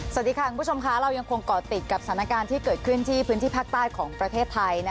สวัสดีค่ะคุณผู้ชมค่ะเรายังคงเกาะติดกับสถานการณ์ที่เกิดขึ้นที่พื้นที่ภาคใต้ของประเทศไทย